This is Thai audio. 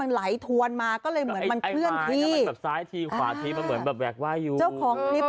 มันไหลถวนมาก็เลยเหมือนมันเคลื่อนที่